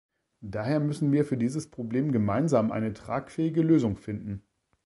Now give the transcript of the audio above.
Daher müssen wir für dieses Problem gemeinsam eine tragfähige Lösung finden.